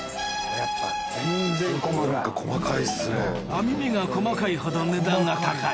網目が細かいほど値段が高い。